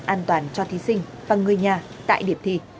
an toàn cho thí sinh và người nhà tại điểm thi